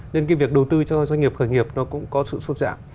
thì việc đầu tư cho doanh nghiệp khởi nghiệp nó cũng có sự sụt giảm